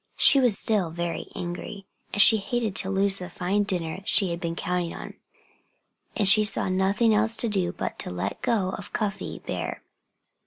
She was still very angry. And she hated to lose the fine dinner she had been counting on. But she saw nothing else to do but let go of Cuffy Bear.